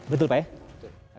betul pak ya